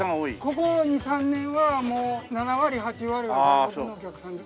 ここ２３年はもう７割８割は外国のお客さんです。